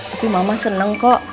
tapi mama seneng kok